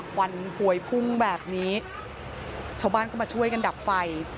วันพวยพุ่งแบบนี้ชาวบ้านก็มาช่วยกันดับไฟ